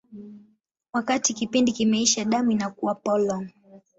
Wakati kipindi kimeisha, damu inakuwa polong.